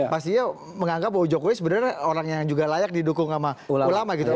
pastinya menganggap bahwa jokowi sebenarnya orang yang juga layak didukung sama ulama gitu